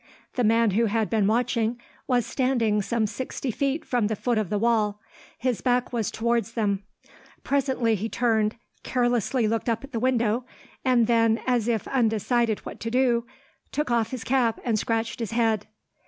The man who had been watching was standing some sixty feet from the foot of the wall. His back was towards them. Presently he turned, carelessly looked up at the window, and then, as if undecided what to do, took off his cap and scratched his head.